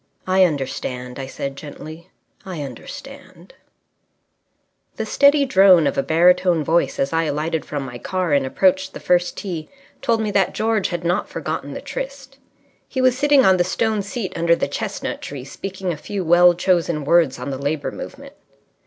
"I understand," I said gently. "I understand." The steady drone of a baritone voice as I alighted from my car and approached the first tee told me that George had not forgotten the tryst. He was sitting on the stone seat under the chestnut tree, speaking a few well chosen words on the Labour Movement.